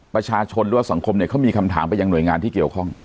ประชาชนหรือว่าสังคมเนี่ยเขามีคำถามไปยังหน่วยงานที่เกี่ยวข้อง